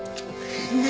何？